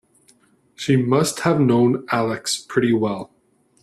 She must have known Alex pretty well.